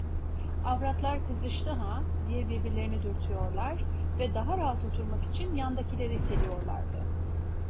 Avratlar kızıştı ha! diye birbirlerini dürtüyorlar ve daha rahat oturmak için yanlarındakileri iteliyorlardı.